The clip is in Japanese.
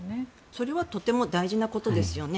それはとても大事なことですよね。